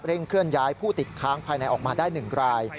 เคลื่อนย้ายผู้ติดค้างภายในออกมาได้๑ราย